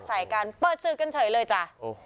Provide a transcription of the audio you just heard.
ใส่กันเปิดสื่อกันเฉยเลยจ้ะ